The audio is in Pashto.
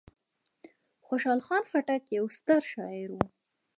خوشحال خان خټک یو ستر شاعر و.